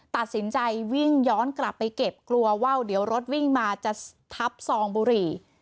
ตัดสินใจวิ่งย้อนกลับไปเก็บกลัวว่าเดี๋ยวรถวิ่งมาจะทับซองบุหรี่